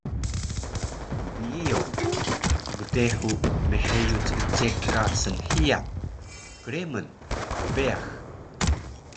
Kiiyo, pgdehu mheyu ckceka snhiyan, kremun, kbeyax